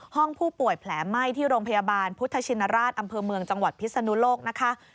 ห้องผู้ป่วยแผลไหม้ที่โรงพยาบาลพุทธชินราชอำเภอเมืองจังหวัดพิศนุโลกนะคะ